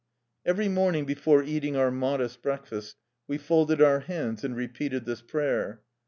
Every morning before eating our modest breakfast, we folded our hands and repeated this prayer.